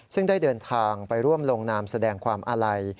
ซึ่งได้เดินทางไปร่วมลงนามแสดงความอาลัย